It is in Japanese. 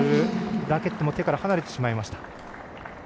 ラケットも手から離れてしまいました。